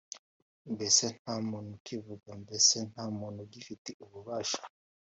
mbese nta muntu ukivuga, mbese nta muntu ugifite ububasha,